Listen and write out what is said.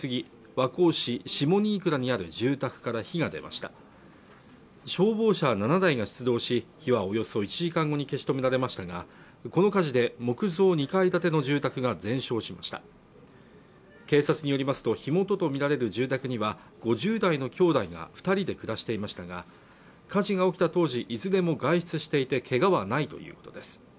和光市下新倉にある住宅から火が出ました消防車７台が出動し火はおよそ１時間後に消し止められましたがこの火事で木造２階建ての住宅が全焼しました警察によりますと火元とみられる住宅には５０代の兄弟が二人で暮らしていましたが火事が起きた当時いずれも外出していてけがはないということです